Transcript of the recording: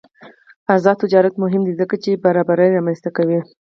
آزاد تجارت مهم دی ځکه چې برابري رامنځته کوي.